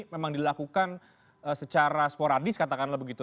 memang dilakukan secara sporadis katakanlah begitu